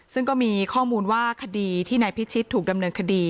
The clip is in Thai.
ซึ่งก็มีข้อมูลว่าคดีที่นายพิชิตถูกดำเนินคดี